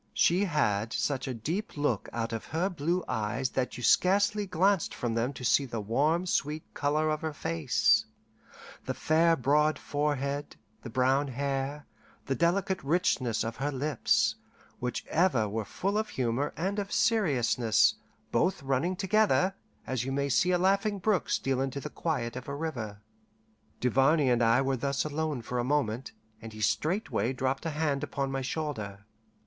She had such a deep look out of her blue eyes that you scarcely glanced from them to see the warm sweet colour of her face, the fair broad forehead, the brown hair, the delicate richness of her lips, which ever were full of humour and of seriousness both running together, as you may see a laughing brook steal into the quiet of a river. Duvarney and I were thus alone for a moment, and he straightway dropped a hand upon my shoulder.